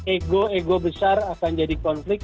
ego ego besar akan jadi konflik